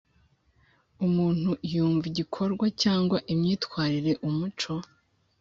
umuntu yumva igikorwa cyangwa imyitwarire umuco